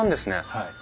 はい。